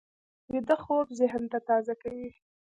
ویده خوب ذهن تازه کوي